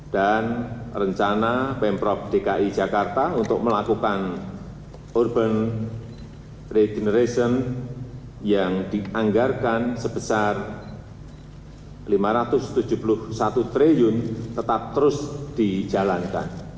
dan rencana pemprov dki jakarta untuk melakukan urban regeneration yang dianggarkan sebesar rp lima ratus tujuh puluh satu triliun tetap terus dijalankan